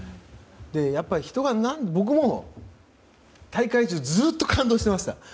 やっぱり、僕も大会中ずっと感動していました。